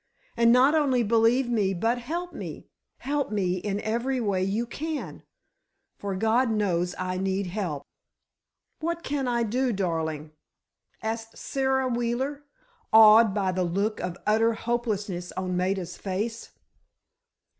And not only believe me but help me. Help me in every way you can—for God knows I need help." "What can I do, darling," asked Sara Wheeler, awed by the look of utter hopelessness on Maida's face.